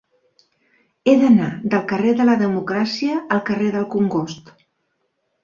He d'anar del carrer de la Democràcia al carrer del Congost.